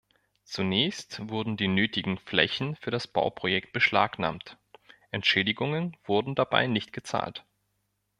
Zunächst wurden die nötigen Flächen für das Bauprojekt beschlagnahmt, Entschädigungen wurden dabei nicht gezahlt.